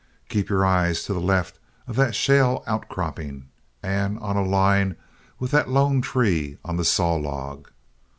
Keep your eyes to the left of that shale outcropping, and on a line with that lone tree on the Saw Log.